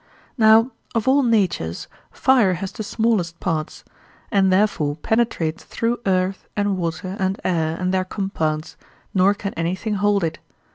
Now of all natures fire has the smallest parts, and therefore penetrates through earth and water and air and their compounds, nor can anything hold it.